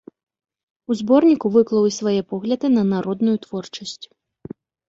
У зборніку выклаў і свае погляды на народную творчасць.